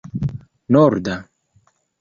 norda